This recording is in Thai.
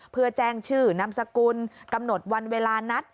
เพื่อแจ้งชื่อนามสกุลกำหนดวันเวลานัด